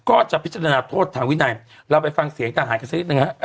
ก็จะพิจารณาโทษทางวินัยเราไปฟังเสียงทหารกันสักนิดหนึ่งฮะ